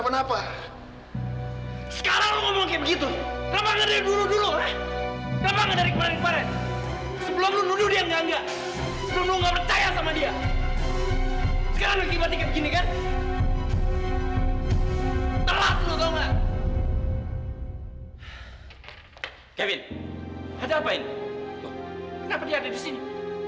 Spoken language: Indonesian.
kenapa dia ada di sini